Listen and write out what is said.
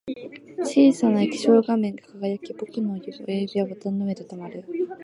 小さな液晶画面が輝き、僕の親指はボタンの上で止まる